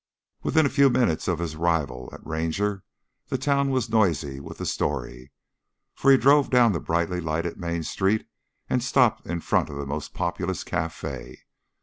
Within a few minutes of his arrival at Ranger, the town was noisy with the story, for he drove down the brightly lighted main street and stopped in front of the most populous cafe.